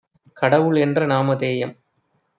கடவுள்என்ற நாமதேயம்